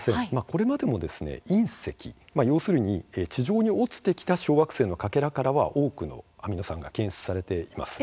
これまでも隕石、要するに地上に落ちてきた小惑星のかけらからは多くのアミノ酸が検出されています。